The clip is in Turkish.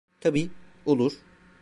Tabii, olur.